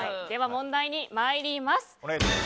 では問題に参ります。